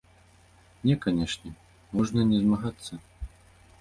Не, канешне, можна не змагацца.